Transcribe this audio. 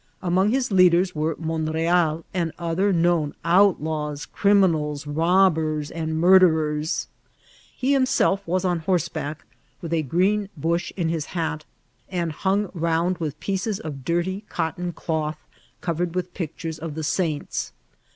. Among his leaders were Monreal and other known outlaws, criminals, robbers, and murderers. He himself was on horseback, with a green bush in his hat, and hung round with pieces of dirty cotton cloth, covered with pictures of the saints.